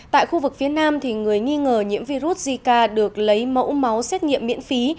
tại khu vực phía nam người nghi ngờ nhiễm virus zika được lấy mẫu máu xét nghiệm miễn phí